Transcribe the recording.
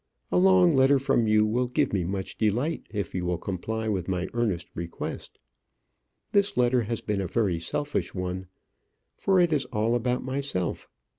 A long letter from you will give me much delight if you will comply with my earnest request. This letter has been a very selfish one, for it is all about myself.